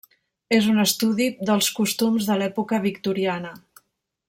És un estudi dels costums de l'època victoriana.